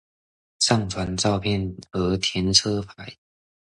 上傳照片和填車牌